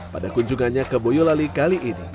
pada kunjungannya ke boyolali kali ini